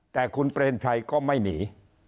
แต่คุณเปรมชัยก็ไม่หนี